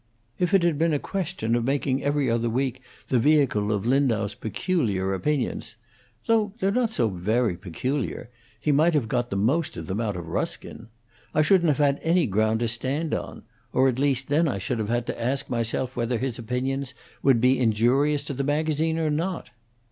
"If it had been a question of making 'Every Other Week' the vehicle of Lindau's peculiar opinions though they're not so very peculiar; he might have got the most of them out of Ruskin I shouldn't have had any ground to stand on, or at least then I should have had to ask myself whether his opinions would be injurious to the magazine or not."